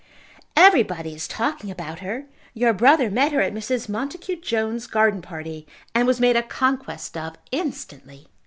"Everybody is talking about her. Your brother met her at Mrs. Montacute Jones's garden party, and was made a conquest of instantly."